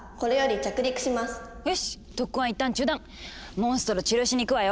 モンストロ治療しに行くわよ。